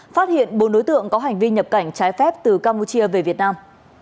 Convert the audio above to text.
phát hiện bốn đối tượng có hành vi nhập cảnh trái phép từ campuchia về việt nam